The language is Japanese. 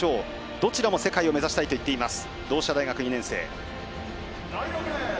どちらも世界を目指したいといっています。